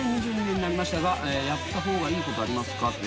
２０２２年になりましたがやった方がいいことありますか？」